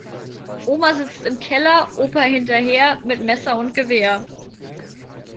Oma sitzt im Keller, Opa hinterher, mit Messer und Gewehr.